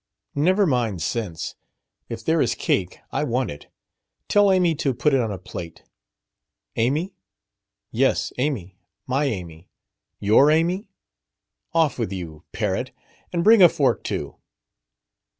"Never mind sense. If there is cake, I want it. Tell Amy to put it on a plate." "Amy?" "Yes, Amy. My Amy." "Your Amy?" "Off with you, parrot! And bring a fork too."